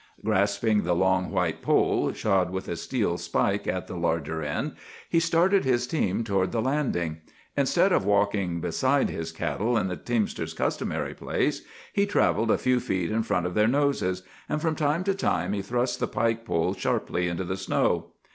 "Grasping the long white pole, shod with a steel spike at the larger end, he started his team toward the Landing. Instead of walking beside his cattle, in the teamster's customary place, he travelled a few feet in front of their noses; and from time to time he thrust the pike pole sharply into the snow.